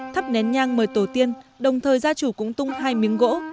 thắp nén nhang mời tổ tiên đồng thời gia chủ cũng tung hai miếng gỗ